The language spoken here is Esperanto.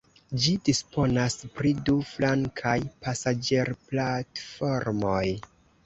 Ĝi disponas pri du flankaj pasaĝerplatformoj.